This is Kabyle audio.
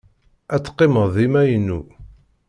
Ad teqqimeḍ dima inu.